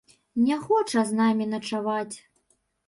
Не хоча з намі начаваць.